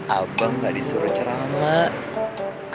abang gak disuruh ceramah